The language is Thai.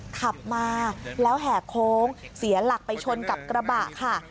ขับมาแล้วแห่โค้งเสียหลักไปชนกับกระบะค่ะ